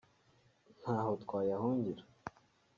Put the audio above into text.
ntaho twayahungira